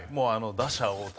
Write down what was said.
打者大谷。